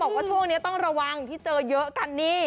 บอกว่าช่วงนี้ต้องระวังที่เจอเยอะกันนี่